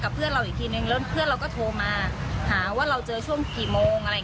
เพื่อนเราอีกทีนึงแล้วเพื่อนเราก็โทรมาหาว่าเราเจอช่วงกี่โมงอะไร